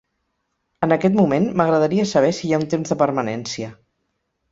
En aquest moment, m'agradaria saber si hi ha un temps de permanència.